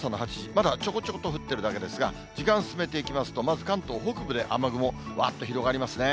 まだちょこちょこと降ってるだけですが、時間進めていきますと、まず関東北部で雨雲わーっと広がりますね。